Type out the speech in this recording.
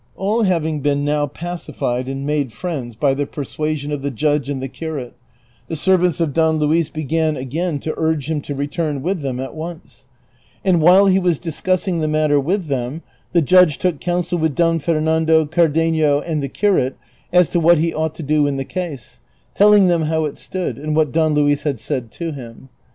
All having been now pacified and made friends by the per suasion of the judge and the curate, the servants of Don Luis began again to urge him to return with them at once ; and while he was discussing the matter with them, the judge took counsel with Don Fernando, Cardenio, and the curate as to what he ought to do in the case, telling them how it stood, and what Don Luis had said to him.